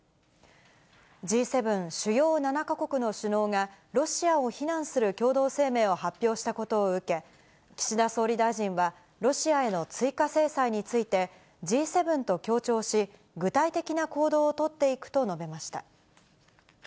Ｇ７・主要７か国の首脳が、ロシアを非難する共同声明を発表したことを受け、岸田総理大臣は、ロシアへの追加制裁について、Ｇ７と協調し、具体的な行動を取っていくと述べました。